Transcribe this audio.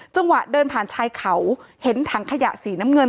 จังหวะเดินผ่านชายเขาเห็นถังขยะสีน้ำเงิน